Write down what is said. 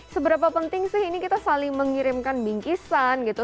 seberapa penting sih ini kita saling mengirimkan bingkisan gitu